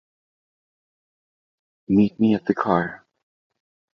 Meet me at the car.